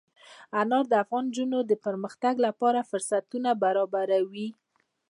انار د افغان نجونو د پرمختګ لپاره فرصتونه برابروي.